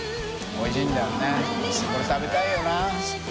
おいしいんだろうねこれ食べたいよな。